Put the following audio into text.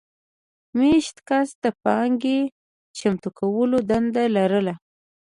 مېشت کس د پانګې چمتو کولو دنده لرله.